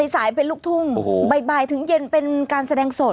สายเป็นลูกทุ่งบ่ายถึงเย็นเป็นการแสดงสด